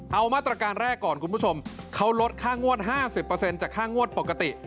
เอามาตรการแรกก่อนคุณผู้ชมเขาลดค่างวด๕๐จากค่างวดปกติ